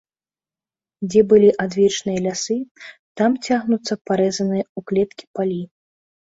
Дзе былі адвечныя лясы, там цягнуцца парэзаныя ў клеткі палі.